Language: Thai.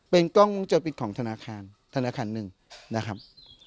เป็นกล้องวงจรปิดของธนาคารธนาคารหนึ่งนะครับ